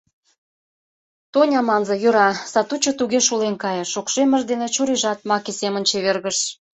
Тоня манза, йӧра... — сатучо туге шулен кайыш, шокшеммыж дене чурийжат маке семын чевергыш.